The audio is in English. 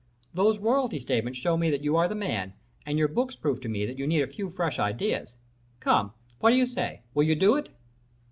Those royalty statements show me that you are the man, and your books prove to me that you need a few fresh ideas. Come, what do you say? Will you do it?"